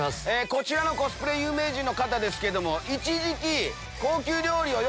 こちらのコスプレ有名人の方ですけども。